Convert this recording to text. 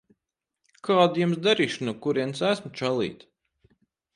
Kāda Jums darīšana no kurienes esmu, čalīt?